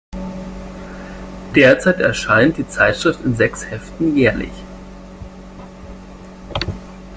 Derzeit erscheint die Zeitschrift in sechs Heften jährlich.